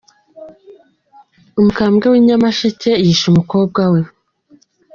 umukambwe w'inyamasheke yishe umukobwa we